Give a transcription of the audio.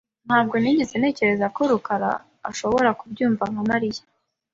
Ntabwo nigeze ntekereza ko rukara ashobora kubyumva nka Mariya .